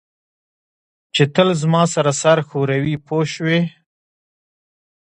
چې تل زما سره سر ښوروي پوه شوې!.